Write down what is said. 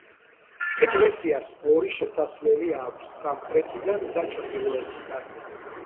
ეკლესიას ორი შესასვლელი აქვს: სამხრეთიდან და ჩრდილოეთიდან.